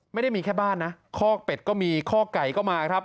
ไม่ได้มีแค่บ้านนะคอกเป็ดก็มีคอกไก่ก็มาครับ